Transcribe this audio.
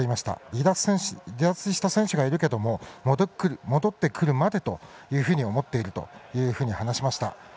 離脱した選手がいるけども戻ってくるまでというふうに思っていると話しました。